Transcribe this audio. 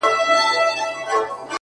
گلي ـ